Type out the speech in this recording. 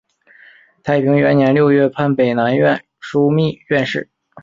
太平元年六月判北南院枢密院事。